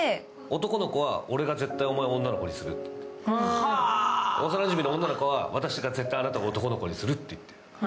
男の子は、俺が絶対お前を女の子にする、おさななじみの女の子は、私があなたを男の子にするって。